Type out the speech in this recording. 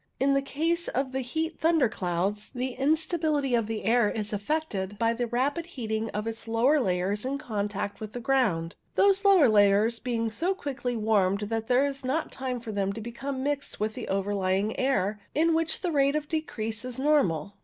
In the case of the heat thunder clouds thq instability of the air is effected by the rapid heating of its lower layers in contact with the ground, those lower layers being so quickly warmed that there is not time for them to become mixed with the overlying air in which the rate of decrease is normal.